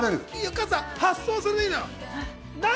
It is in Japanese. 加藤さん、発想はそれでいいのよ。